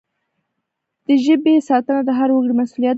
د ژبي ساتنه د هر وګړي مسؤلیت دی.